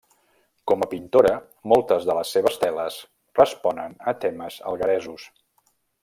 Com a pintora, moltes de les seves teles responen a temes algueresos.